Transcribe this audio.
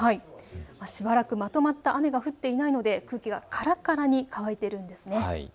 しばらくまとまった雨が降っていないので空気がからからに乾いているんですね。